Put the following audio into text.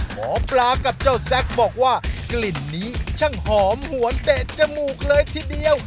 หมอปลากับเจ้าแซคบอกว่ากลิ่นนี้ช่างหอมหวนเตะจมูกเลยทีเดียว